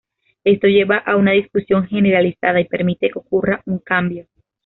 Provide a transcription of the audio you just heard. Esto lleva a una discusión generalizada y permite que ocurra un cambio.